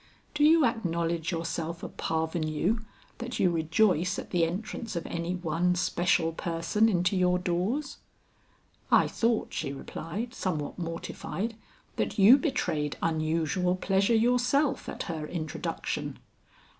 "Do you acknowledge yourself a parvenue that you rejoice at the entrance of any one special person into your doors?" "I thought," she replied somewhat mortified, "that you betrayed unusual pleasure yourself at her introduction."